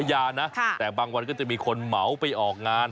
ขายในจังหวัดอายุธยานะแต่บางวันก็จะมีคนเหมาไปออกงาน